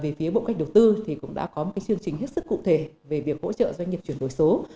về phía bộ cách đầu tư thì cũng đã có một chương trình hết sức cụ thể về việc hỗ trợ doanh nghiệp chuyển đổi số